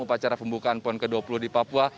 upacara pembukaan pon ke dua puluh di papua